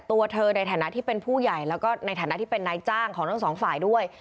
ตัวเธอในฐานะที่เป็นผู้ใหญ่แล้วก็ในฐานะที่เป็นนายจ้างของทั้งสองฝ่ายด้วย